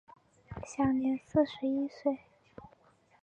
享年四十一岁。